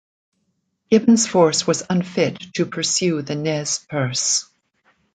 Gibbon's force was unfit to pursue the Nez Perce.